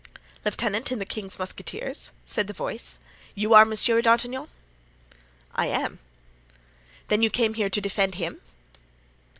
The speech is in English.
"Lieutenant in the king's musketeers?" said the voice; "you are Monsieur d'Artagnan?" "I am." "Then you came here to defend him?"